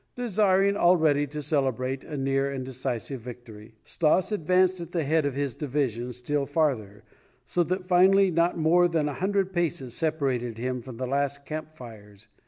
] desiring already to celebrate a near and decisive victory. Stas advanced at the head of his division still farther, so that finally not more than a hundred paces separated him from the last camp fires.